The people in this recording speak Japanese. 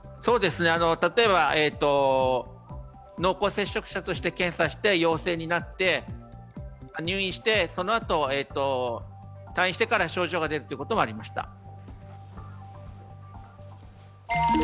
例えば濃厚接触者として検査して陽性になって入院して、そのあと、退院してから症状が出ることもありました。